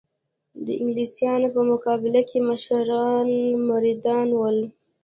د انګلیسیانو په مقابل کې مشران مریدان ول.